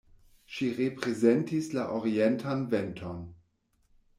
Ŝi reprezentis la orientan venton.